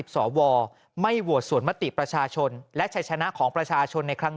สวไม่โหวตส่วนมติประชาชนและชัยชนะของประชาชนในครั้ง